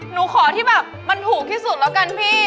หนูขอที่แบบมันถูกที่สุดแล้วกันพี่